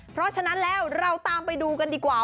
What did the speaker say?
เพราะฉะนั้นแล้วเราตามไปดูกันดีกว่า